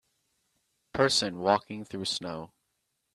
Person walking through snow.